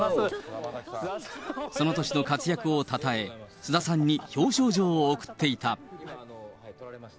その年の活躍をたたえ、菅田さんに表彰状を贈っていた。